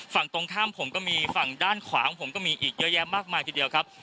ฝั่งตรงข้ามผมก็มีฝั่งด้านขวาของผมก็มีอีกเยอะแยะมากมายทีเดียวครับ